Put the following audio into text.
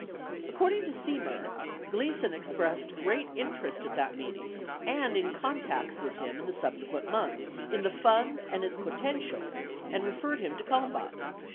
According to Semer, Gleason expressed great interest at that meeting (and in contacts with him in the subsequent months) in the fund and its "potential" and referred him to Kalmbach.